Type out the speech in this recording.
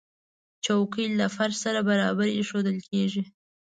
چوکۍ له فرش سره برابرې ایښودل کېږي.